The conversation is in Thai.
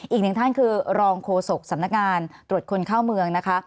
อีกหนึ่งท่านคือรองโฆษกสำนักงานตรวจคนเข้าเมืองนะคะ